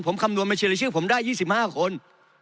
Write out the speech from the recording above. ผมคำนวมในชู้ผมได้๒๕คน